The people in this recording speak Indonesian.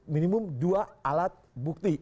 minimum dua alat bukti